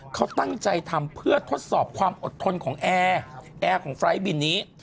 เขาตั้งใจทำเพื่อทดสอบความอดทนของแอร์แอร์ของไฟล์บินนี้